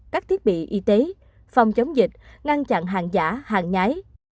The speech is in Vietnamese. các thiết bị y tế phòng chống dịch ngăn chặn hàng giả hàng nhái